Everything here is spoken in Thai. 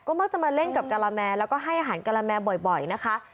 มักจะมาเล่นกับกะละแมแล้วก็ให้อาหารกะละแมบ่อยนะคะ